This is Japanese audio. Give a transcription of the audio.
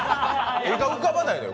画が浮かばないのよ。